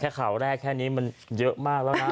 ข่าวแรกแค่นี้มันเยอะมากแล้วนะ